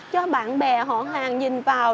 cho bạn bè họ hàng nhìn vào